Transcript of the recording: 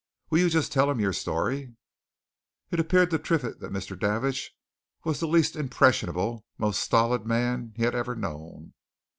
Will you just tell him your story?" It appeared to Triffitt that Mr. Davidge was the least impressionable, most stolid man he had ever known.